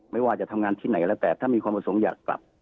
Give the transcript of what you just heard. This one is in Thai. ไม่ว่าจะทำงานที่ไหนแล้วแต่ถ้ามีคนมาส่งอยากกลับ